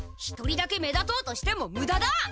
一人だけ目立とうとしてもむだだ！